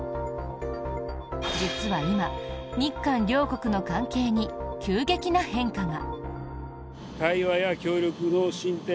実は今、日韓両国の関係に急激な変化が！